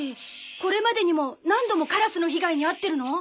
これまでにも何度もカラスの被害に遭ってるの？